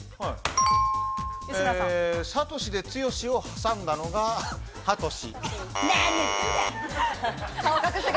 サトシでツヨシを挟んだのがハトシ。